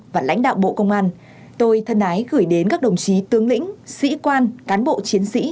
và lãnh đạo bộ công an tôi thân ái gửi đến các đồng chí tướng lĩnh sĩ quan cán bộ chiến sĩ